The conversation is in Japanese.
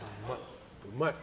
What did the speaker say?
うまい。